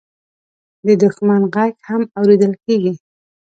د دښمن غږ هم اورېدل کېږي.